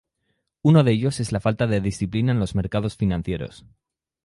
Uno de ellos es la falta de disciplina en los mercados financieros.